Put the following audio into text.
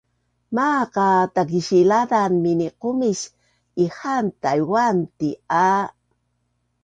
Maaq a Takisilazan miniqumis ihaan Tai’uan ti a